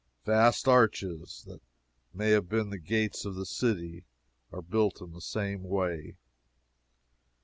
Vast arches, that may have been the gates of the city, are built in the same way.